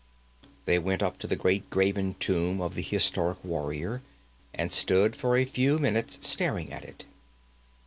They went up to the great graven tomb of the historic warrior, and stood for a few minutes staring at it.